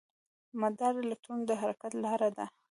مدار د الکترون د حرکت لاره ده.